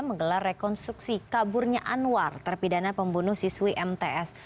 menggelar rekonstruksi kaburnya anwar terpidana pembunuh siswi mts